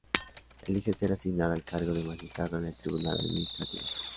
Elige ser asignada al cargo de Magistrado en el tribunal administrativo.